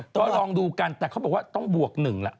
ก็ลองดูกันแต่เขาบอกว่าต้องบวก๑ละ